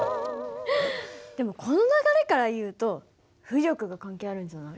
でもこの流れからいうと浮力が関係あるんじゃない？